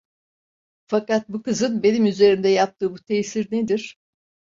Fakat bu kızın benim üzerimde yaptığı bu tesir nedir?